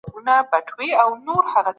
انسان يوازې ژوند نسي کولای.